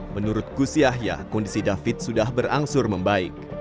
menurut gus yahya kondisi david sudah berangsur membaik